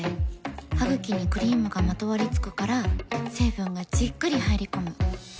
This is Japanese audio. ハグキにクリームがまとわりつくから成分がじっくり入り込む。